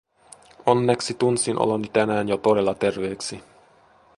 Onneksi tunsin oloni tänään jo todella terveeksi.